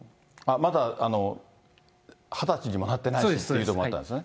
まだ２０歳にもなってないっていうところもあったんですね。